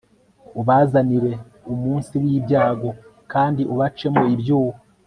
ubazanire umunsi w ibyago kandi ubacemo ibyuho